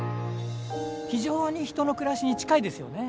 非常に人の暮らしに近いですよね。